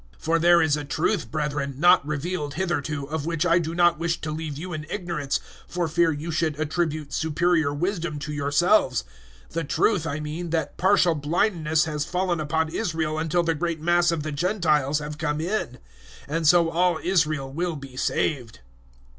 011:025 For there is a truth, brethren, not revealed hitherto, of which I do not wish to leave you in ignorance, for fear you should attribute superior wisdom to yourselves the truth, I mean, that partial blindness has fallen upon Israel until the great mass of the Gentiles have come in; 011:026 and so all Israel will be saved.